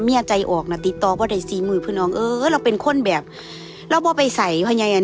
พี่จอนเมืองนี้ต้องประโยชน์